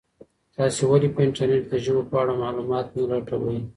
تاسي ولي په انټرنیټ کي د ژبو په اړه معلومات نه لټوئ؟